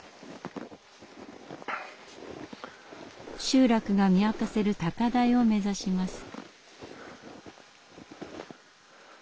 集落が見渡せる高台を目指します。